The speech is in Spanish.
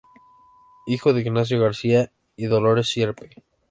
Hijo de "Ignacio García" y "Dolores Sierpe".